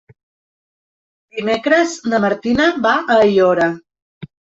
Dimecres na Martina va a Aiora.